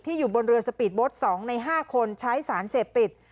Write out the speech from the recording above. อยู่บนเรือสปีดโบสต์๒ใน๕คนใช้สารเสพติด